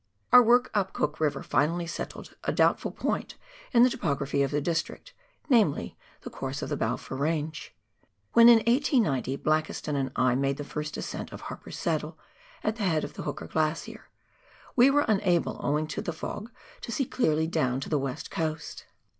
Our work up Cook River finally settled a doubtful point in the topography of the district, namely, the course of the Balfour Range. "When in 1890 Blakiston and I made the first ascent of Harper's Saddle, at the head of the Hooker Glacier, we were unable owing to the fog to see clearly down to the West Coast.